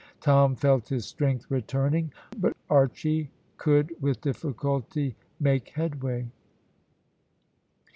Tom felt his strength returning, hot Archy could with difficulty make headway.